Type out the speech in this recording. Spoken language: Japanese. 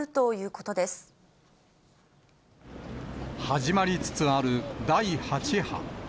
始まりつつある第８波。